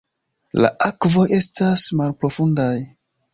La akvoj estas malprofundaj.